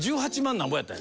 なんぼやった。